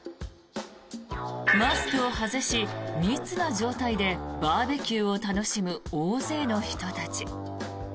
マスクを外し、密な状態でバーベキューを楽しむ大勢の人たち。